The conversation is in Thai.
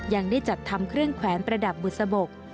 ยังได้จัดทำเครื่องแขวนประดับบุษบก